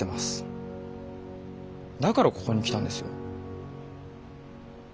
だからここに来たんですよ。